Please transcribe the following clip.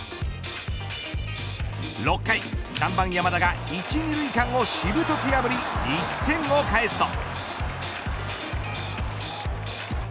６回、３番山田が一、二塁間をしぶとく破り１点を返すと。